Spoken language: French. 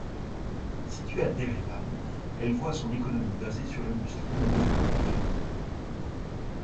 Située à d'Erevan, elle voit son économie basée sur l'industrie manufacturière.